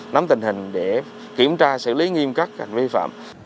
nắm tình hình để kiểm tra xử lý nghiêm các hành vi phạm